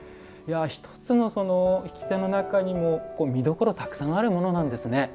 一つの引き手の中にも見どころたくさんあるものなんですね。